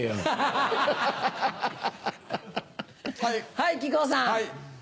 はい木久扇さん。